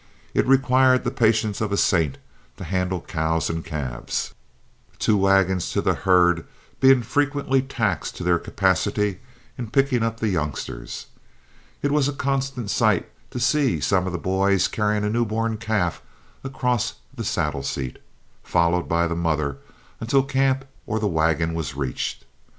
It requires the patience of a saint to handle cows and calves, two wagons to the herd being frequently taxed to their capacity in picking up the youngsters. It was a constant sight to see some of the boys carrying a new born calf across the saddle seat, followed by the mother, until camp or the wagon was reached.